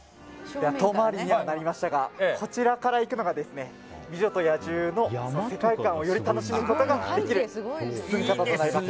遠回りにはなりましたがこちらから行くのが「美女と野獣」の世界観をより楽しむことができます。